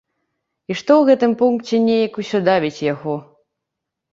І што ў гэтым пункце нейк усё давіць яго.